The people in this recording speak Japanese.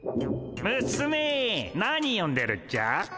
ムスメ何読んでるっちゃ？